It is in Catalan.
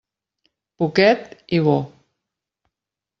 Poquet i bo.